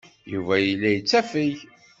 Yuba yella yettafeg.